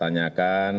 ini enggak ada mundur